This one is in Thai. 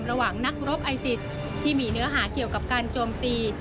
ระหว่างนักรบไอซิสที่มีเนื้อหาเกี่ยวกับการโจมตี